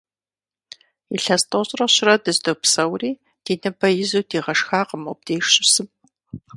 Илъэс тӀощӀрэ щырэ дыздопсэури, ди ныбэ изу дигъэшхакъым мобдеж щысым.